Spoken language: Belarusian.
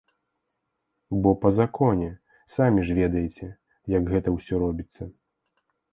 Бо па законе, самі ж ведаеце, як гэта ўсё робіцца.